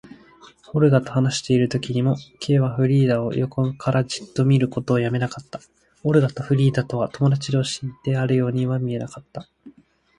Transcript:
オルガと話しているときにも、Ｋ はフリーダを横からじっと見ることをやめなかった。オルガとフリーダとは友だち同士であるようには見えなかった。